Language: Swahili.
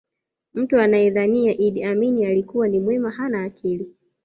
mtu anayedhania idi amin alikuwa ni mwema hana akili